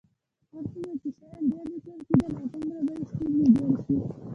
هر څومره چې شیان ډېر لیکل کېدل، همغومره به یې ستونزې ډېرې شوې.